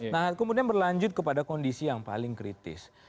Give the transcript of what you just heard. nah kemudian berlanjut kepada kondisi yang paling kritis